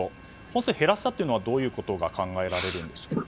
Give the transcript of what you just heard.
本数減らしたのはどういうことが考えられるんでしょうか。